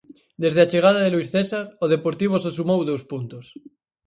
Desde a chegada de Luís César, o Deportivo só sumou dous puntos.